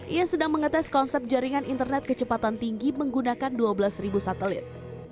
ia sedang mengetes konsep jaringan internet kecepatan tinggi menggunakan dua belas satelit